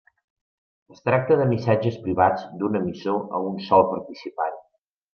Es tracta de missatges privats d'un emissor a un sol participant.